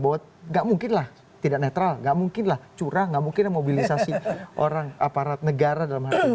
bahwa gak mungkin lah tidak netral nggak mungkin lah curah nggak mungkin mobilisasi orang aparat negara dalam hal ini